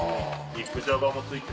肉じゃがもついて。